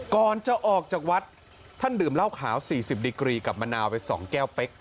ก่อนจะออกจากวัดท่านดื่มเหล้าขาว๔๐ดีกรีกับมะนาวไป๒แก้วเป๊ก